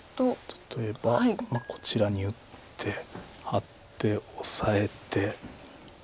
例えばこちらに打ってハッてオサえて。